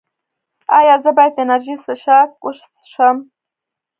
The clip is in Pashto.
ایا زه باید انرژي څښاک وڅښم؟